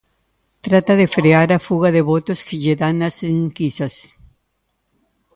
Trata de frear a fuga de votos que lle dan as enquisas.